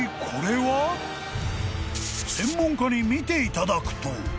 ［専門家に見ていただくと］